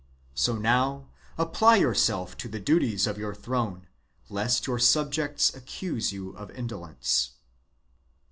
So now apply yourself to the duties of your throne, lest your subjects accuse _ you of indolence."